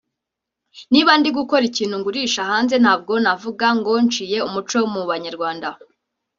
niba ndi gukora ikintu ngurisha hanze ntabwo navuga ngo nciye umuco mu banyarwanda